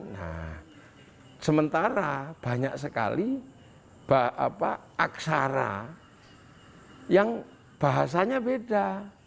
nah sementara banyak sekali aksara yang bahasanya beda